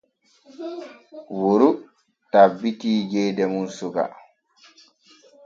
Woru tabbiti jeyde mum suke.